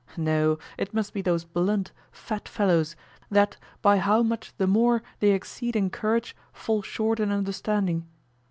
No, it must be those blunt, fat fellows, that by how much the more they exceed in courage, fall short in understanding.